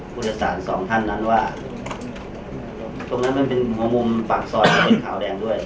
ผู้โดยสารสองท่านนั้นว่าตรงนั้นมันเป็นหัวมุมปากซอยที่เป็นขาวแดงด้วย